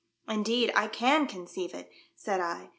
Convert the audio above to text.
" Indeed I can conceive it !" said I.